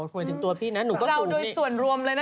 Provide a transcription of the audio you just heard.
เหมือนถึงตัวพี่นะหนูก็สูงนี้เราโดยส่วนรวมเลยนะเนี่ย